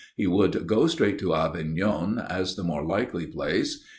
He would go straight to Avignon, as the more likely place.